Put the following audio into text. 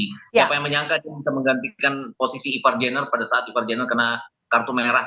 siapa yang menyangka dia bisa menggantikan posisi ipar jenner pada saat ipar jenner kena kartu merah